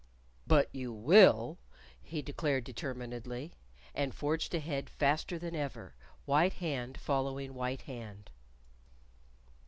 "But you will," he declared determinedly, and forged ahead faster than ever, white hand following white hand.